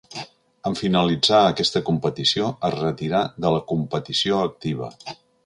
En finalitzar aquesta competició es retirà de la competició activa.